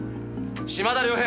島田良平